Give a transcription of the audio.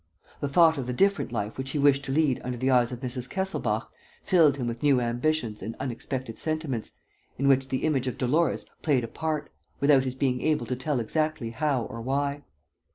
The thought of the different life which he wished to lead under the eyes of Mrs. Kesselbach filled him with new ambitions and unexpected sentiments, in which the image of Dolores played a part, without his being able to tell exactly how or why.